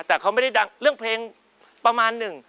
แต่เขาไม่ได้ดังเรื่องเพลงประมาณหนึ่ง